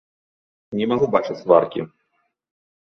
Не магу бачыць сваркі.